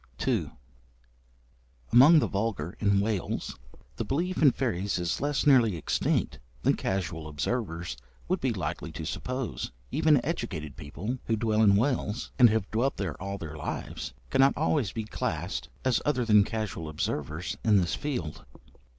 FOOTNOTE: 'Saturday Review,' October 20, 1877. II. Among the vulgar in Wales, the belief in fairies is less nearly extinct than casual observers would be likely to suppose. Even educated people who dwell in Wales, and have dwelt there all their lives, cannot always be classed as other than casual observers in this field.